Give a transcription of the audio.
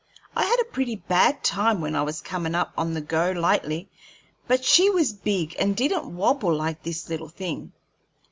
I had a pretty bad time when I was comin' up on the Go Lightly, but she was big and didn't wabble like this little thing.